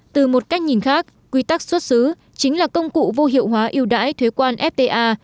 từ một cách nhìn khác quy tắc xuất xứ chính là công cụ vô hiệu hóa yêu đãi thuế quan fta